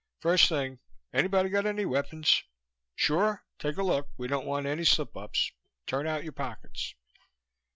First thing, anybody got any weapons? Sure? Take a look we don't want any slipups. Turn out your pockets."